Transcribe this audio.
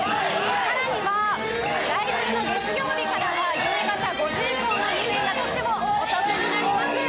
更には、来週の月曜日から夕方５時以降の入園がとってもお得になります。